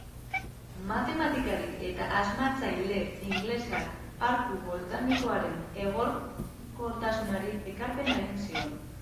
Matematikari eta asmatzaile ingelesak arku voltaikoaren egonkortasunari ekarpena egin zion.